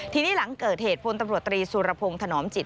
ทีนี้หลังเกิดเหตุพลตำรวจตรีสุรพงศ์ถนอมจิต